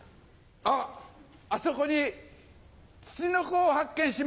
あっあそこにツチノコを発見しました。